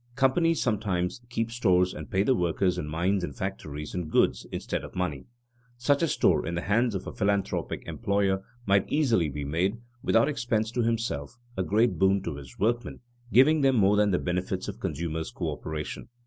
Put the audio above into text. _ Companies sometimes keep stores and pay the workers in mines and factories in goods, instead of money. Such a store in the hands of a philanthropic employer might easily be made, without expense to himself, a great boon to his workmen, giving them more than the benefits of consumers' coöperation.